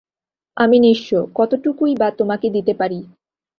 আমি নিঃস্ব, কতটুকুই বা তোমাকে দিতে পারি!